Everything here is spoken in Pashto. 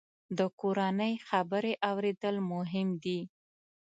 د کورنۍ خبرې اورېدل مهم دي.